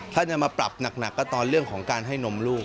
ถ้าจะมาปรับหนักก็ตอนเรื่องของการให้นมลูก